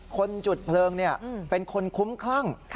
คนจุดเพลิงเป็นคนคุ้มคลั่ง